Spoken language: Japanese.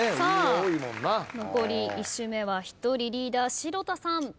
残り１周目は１人リーダー城田さん。